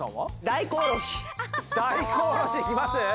大根おろしいきます？